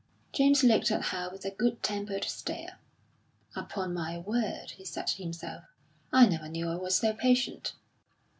James looked at her with a good tempered stare. "Upon my word," he said to himself, "I never knew I was so patient."